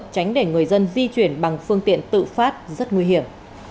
tránh để người dân di chuyển bằng phương tiện tự phát rất nguy hiểm